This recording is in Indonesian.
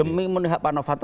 demi memenuhi hak pak novanto